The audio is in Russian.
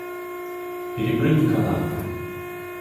Перепрыгни канавку.